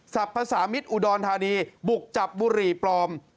สรรพสามิตรอุดรธานีบุกจับบุรีปลอม